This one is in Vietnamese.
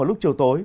vào lúc chiều tối